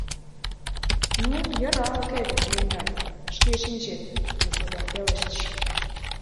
— Ну, йӧра уке гын, еҥгай, шке шинчет, — мый содор пелештышым.